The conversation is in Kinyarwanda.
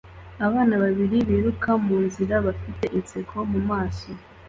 Abana babiri biruka munzira bafite inseko mumaso